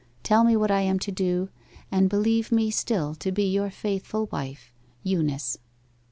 Tell me what I am to do, and believe me still to be your faithful wife, EUNICE.